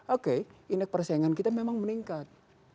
oke indeks persaingan kita memang meningkat